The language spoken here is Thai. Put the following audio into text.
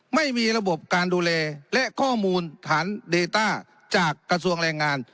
ไม่มีระบบการดูแลและข้อมูลฐานเดต้าจากกระทรวงแรงงาน